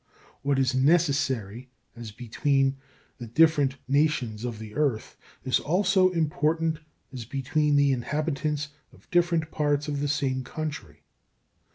What is necessary as between the different nations of the earth is also important as between the inhabitants of different parts of the same country.